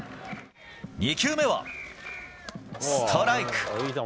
２球目は、ストライク。